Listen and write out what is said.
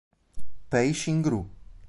Pei Xingru